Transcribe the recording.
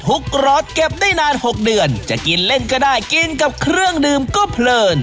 กรสเก็บได้นาน๖เดือนจะกินเล่นก็ได้กินกับเครื่องดื่มก็เพลิน